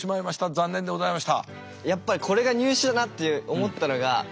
残念でございました。